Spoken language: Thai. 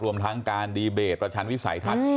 รวมทางการดีเบตประชานวิสัยธรรม